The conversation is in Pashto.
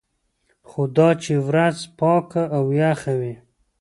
خو دا چې ورځ پاکه او یخه وي.